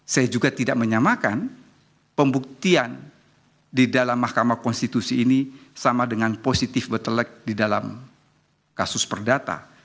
saya juga tidak menyamakan pembuktian di dalam mahkamah konstitusi ini sama dengan positif bettlect di dalam kasus perdata